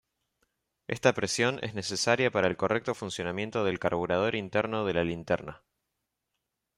Esta presión es necesaria para el correcto funcionamiento del carburador interno de la linterna.